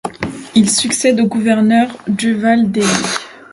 Il succède au gouverneur Duval d'Ailly.